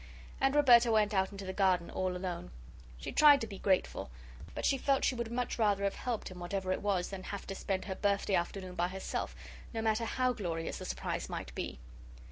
And Roberta went out into the garden all alone. She tried to be grateful, but she felt she would much rather have helped in whatever it was than have to spend her birthday afternoon by herself, no matter how glorious the surprise might be.